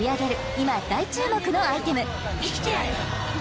今大注目のアイテム